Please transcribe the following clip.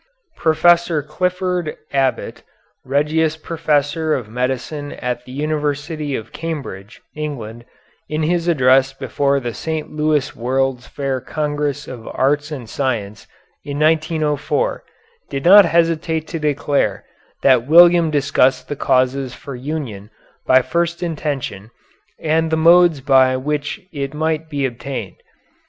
Professor Clifford Allbutt, Regius Professor of Medicine at the University of Cambridge, England, in his address before the St. Louis World's Fair Congress of Arts and Science in 1904, did not hesitate to declare that William discussed the causes for union by first intention and the modes by which it might be obtained.